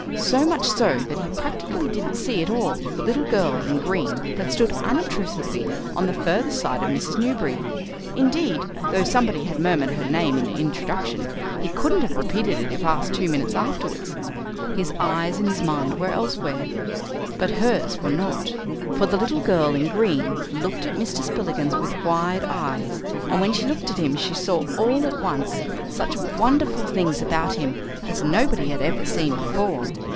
So much so that he practically didn't see at all the little girl in green that stood unobtrusively on the further side of Mrs. Newberry. Indeed, though somebody had murmured her name in introduction, he couldn't have repeated it if asked two minutes afterwards. His eyes and his mind were elsewhere. But hers were not. For the Little Girl in Green looked at Mr. Spillikins with wide eyes, and when she looked at him she saw all at once such wonderful things about him as nobody had ever seen before.